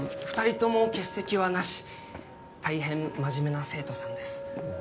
二人とも欠席はなし大変真面目な生徒さんです